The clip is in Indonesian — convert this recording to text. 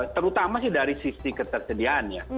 terutama sih dari sisi ketersediaannya